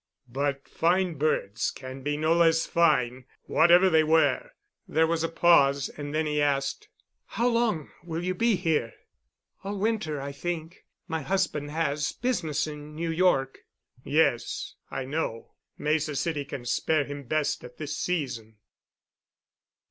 "But fine birds can be no less fine whatever they wear." There was a pause, and then he asked: "How long will you be here?" "All winter, I think. My husband has business in New York." "Yes, I know. Mesa City can spare him best at this season."